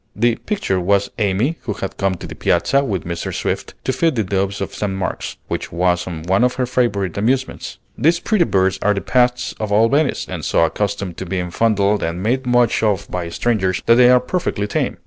The "picture" was Amy, who had come to the Piazza with Mrs. Swift, to feed the doves of St. Mark's, which was one of her favorite amusements. These pretty birds are the pets of all Venice, and so accustomed to being fondled and made much of by strangers, that they are perfectly tame.